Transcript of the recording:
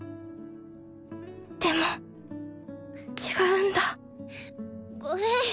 でも違うんだごめん。